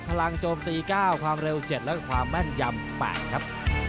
พลังโจมตีเก้าความเร็วเจ็ดแล้วความแม่นยำแปลกครับ